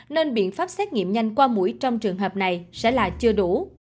nên biện pháp xét nghiệm nhanh qua mũi trong trường hợp này sẽ là chưa đủ